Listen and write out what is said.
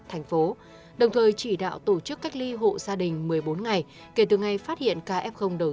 thành phố đồng thời chỉ đạo tổ chức cách ly hộ gia đình một mươi bốn ngày kể từ ngày phát hiện ca f đầu